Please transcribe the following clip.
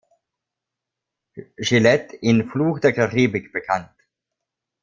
Gillette in "Fluch der Karibik" bekannt.